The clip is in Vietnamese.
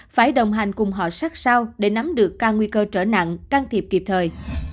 phải đồng hành cùng họ sát sao để nắm được các nguy cơ trở nặng can thiệp kịp thời